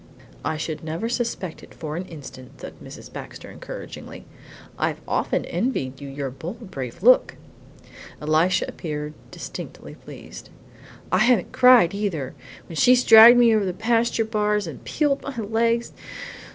"I should never suspect it for an instant," said Mrs. Baxter encouragingly. "I've often envied you your bold, brave look!" Elisha appeared distinctly pleased. "I haven't cried, either, when she's dragged me over the pasture bars and peeled my legs.